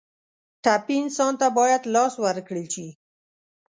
ټپي انسان ته باید لاس ورکړل شي.